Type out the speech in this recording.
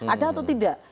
ada atau tidak